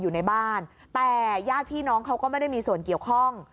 อยู่ในบ้านแต่ญาติพี่น้องเขาก็ไม่ได้มีส่วนเกี่ยวข้อง